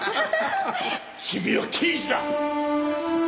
君は刑事だ！